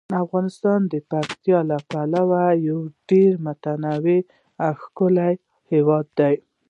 افغانستان د پکتیکا له پلوه یو ډیر متنوع او ښکلی هیواد دی.